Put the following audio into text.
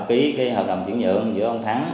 ký hợp đồng chuyển nhận giữa ông thắng